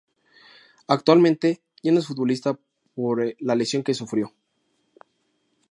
Actualmente, ya no es futbolista por la lesión que sufrió.